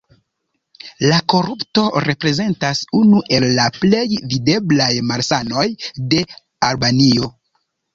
La korupto reprezentas unu el la plej videblaj malsanoj de Albanio.